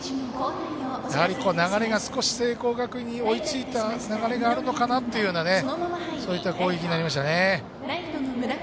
やはり流れが少し聖光学院に、追いついたという流れがあるのかなという攻撃になりましたね。